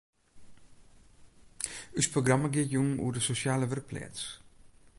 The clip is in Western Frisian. Us programma giet jûn oer de sosjale wurkpleats.